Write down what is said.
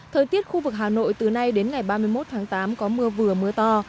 thời tiết khu vực hà nội từ nay đến ngày ba mươi một tháng tám có mưa vừa mưa to